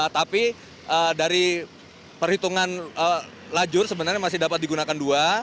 tapi dari perhitungan lajur sebenarnya masih dapat digunakan dua